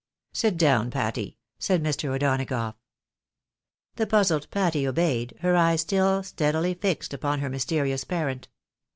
" Sit down, Patty," said Mr. O'Donagough. The puzzled Patty obeyed, her eyes still steadily fixed upon her mysterious parent.